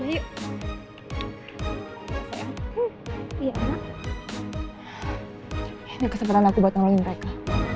ini kesempatan aku buat nolongin mereka